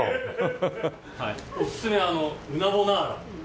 おすすめはうなボナーラ。